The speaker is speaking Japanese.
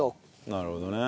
なるほどね。